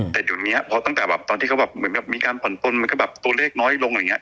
แต่เดี๋ยวนี้พอตั้งแต่แบบตอนที่เขาแบบเหมือนแบบมีการผ่อนปนมันก็แบบตัวเลขน้อยลงอย่างนี้